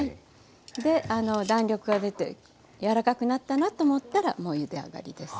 であの弾力が出て柔らかくなったなと思ったらもうゆで上がりです。